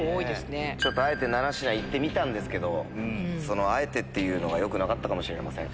あえて７品行ってみたんですけど「あえて」っていうのがよくなかったかもしれません。